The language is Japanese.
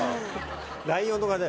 ライオンとかね